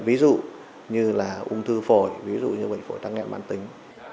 ví dụ như ung thư phổi ví dụ như bệnh phổi tăng nghẹn bản tính